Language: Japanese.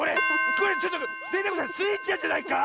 これちょっとデテコさんスイちゃんじゃないか